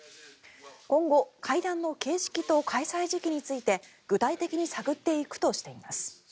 今後、会談の形式と開催時期について具体的に探っていくとしています。